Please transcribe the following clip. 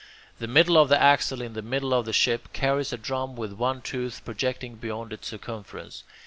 The middle of the axle in the middle of the ship carries a drum with one tooth projecting beyond its circumference.